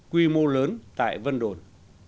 quy mô lớn tại vân đồn